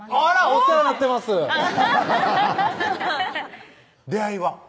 お世話になってます出会いは？